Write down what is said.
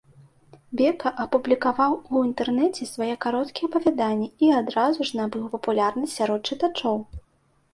Бека апублікаваў у інтэрнэце свае кароткія апавяданні і адразу ж набыў папулярнасць сярод чытачоў.